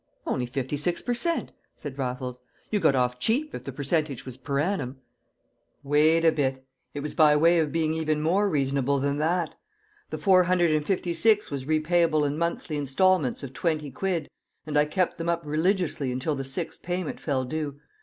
"Only fifty per cent!" said Raffles. "You got off cheap if the percentage was per annum." "Wait a bit! It was by way of being even more reasonable than that. The four hundred and fifty six was repayable in monthly instalments of twenty quid, and I kept them up religiously until the sixth payment fell due.